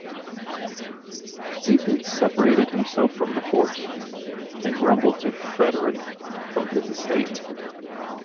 Zieten separated himself from the court, and grumbled to Frederick from his estate.